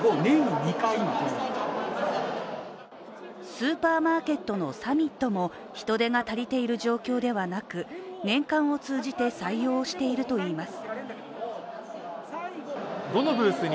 スーパーマーケットのサミットも人手が足りている状況ではなく年間を通じて採用をしているといいます。